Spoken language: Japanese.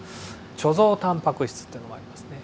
貯蔵タンパク質っていうのもありますね。